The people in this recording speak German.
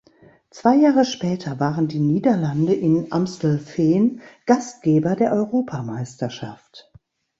Zwei Jahre später waren die Niederlande in Amstelveen Gastgeber der Europameisterschaft.